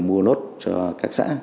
mua nốt cho các xã